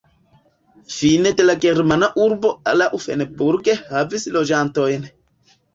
Fine de la germana urbo Laufenburg havis loĝantojn.